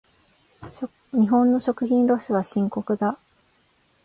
日本の食品ロスは深刻だ。